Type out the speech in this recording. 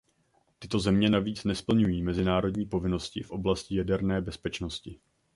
Tyto země navíc nesplňují mezinárodní povinnosti v oblasti jaderné bezpečnosti.